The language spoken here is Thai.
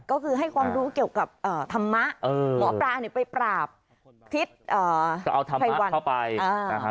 ก็คือให้ความรู้เกี่ยวกับธรรมะหมอปลาไปปราปทิศภัยวัล